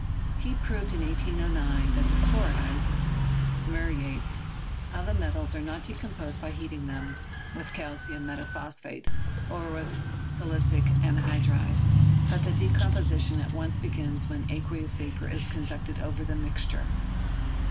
He proved, in 1809, that the chlorides (muriates) of the met als are not decomposed by heating them with calcium metaphosphate or with silicic anhydride, but that decom position at once begins when aqueous vapor is conducted over the mixture.